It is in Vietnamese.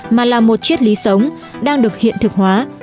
mà là một chiết lý sống đang được hiện thực hóa